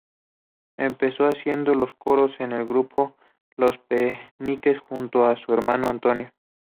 Empezó haciendo los coros en el grupo Los Pekenikes junto a su hermano Antonio.